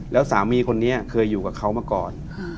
แล้วสามีคนนี้เคยอยู่กับเขามาก่อน